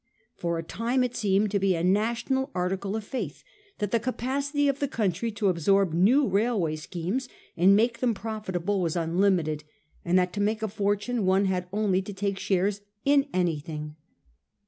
For a time it seemed to be a national article of faith that the capacity of the country to absorb new railway schemes and make them profitable was unlimited, and that to make a fortune one had only to take shares in anything.